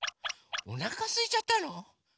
おなかすいちゃったの？